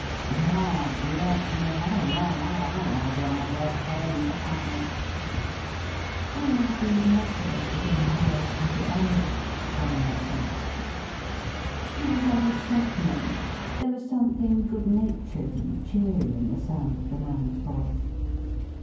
Lord bless me ! what a raw lad I was when I first came to Paris !'' Well, we most of us begin Paris pretty early,' Conrad said. He was rather softening; there was something good natured and cheery in the sound of the man's voice.